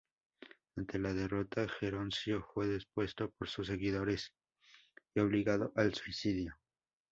Ante la derrota, Geroncio fue depuesto por sus seguidores y obligado al suicidio.